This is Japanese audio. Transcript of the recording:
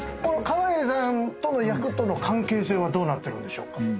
川栄さんとの役との関係性はどうなってるんでしょうか？